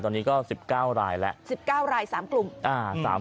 ตอนนี้ก็๑๙รายแล้ว๑๙ราย๓กลุ่ม